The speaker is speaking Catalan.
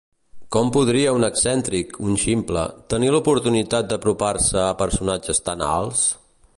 Com podria un excèntric, un ximple, tenir l'oportunitat d'apropar-se a personatges tan alts?